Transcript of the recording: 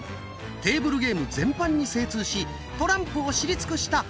テーブルゲーム全般に精通しトランプを知り尽くした達人！